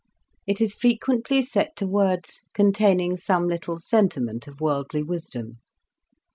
It is frequently set to words containing some little sentiment of worldly wisdom.